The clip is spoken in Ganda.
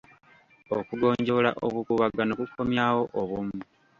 Okugonjoola obukuubagano kukomyawo obumu.